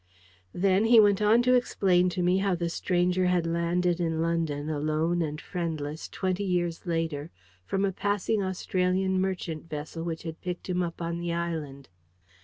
Then he went on to explain to me how the stranger had landed in London, alone and friendless, twenty years later, from a passing Australian merchant vessel which had picked him up on the island.